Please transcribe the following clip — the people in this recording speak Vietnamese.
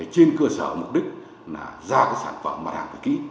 trên cơ sở mục đích là ra sản phẩm mặt hàng kỹ